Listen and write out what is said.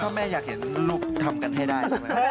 แต่ว่าพ่อแม่อยากเห็นลูกทำกันให้ได้